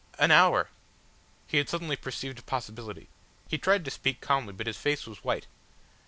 An hour!" He had suddenly perceived a possibility. He tried to speak calmly, but his face was white.